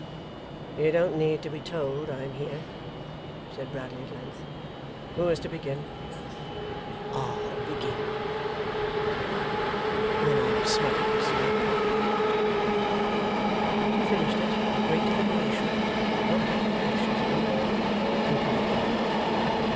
'You don't need to be told I am here,' said Bradley at length. 'Who is to begin?' 'I'll begin,' said Riderhood, 'when I've smoked this here pipe out.' He finished it with great deliberation, knocked out the ashes on the hob, and put it by.